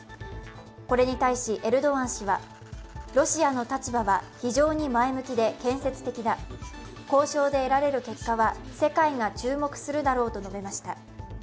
これに対し、エルドアン氏はロシアの立場は非常に前向きで建設的だ交渉で得られる結果は世界が注目するだろうと述べました。